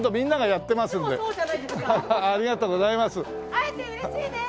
会えて嬉しいです！